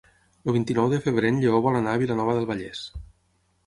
El vint-i-nou de febrer en Lleó vol anar a Vilanova del Vallès.